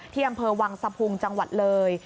อำเภอวังสะพุงจังหวัดเลย